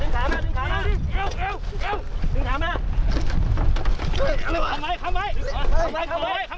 ขับไว้ขับไว้ขาผมก่อน